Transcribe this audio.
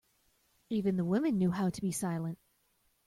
Even the women knew how to be silent.